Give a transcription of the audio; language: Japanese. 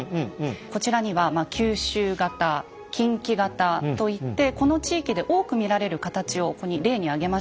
こちらには「九州型」「近畿型」といってこの地域で多く見られる形をここに例に挙げました。